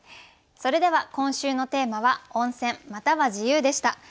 それでは今週のテーマは「温泉」または自由でした。